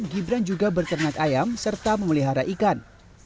gibran juga berternak ayam serta memelihara ikan